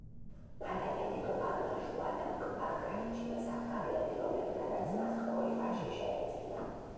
მალევე დედოფალმა ჟუანამ კვლავ გაიჩინა საყვარლები, რომლებთანაც მას ორი ვაჟი შეეძინა.